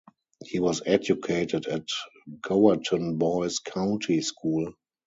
He was educated at Gowerton Boys' County School.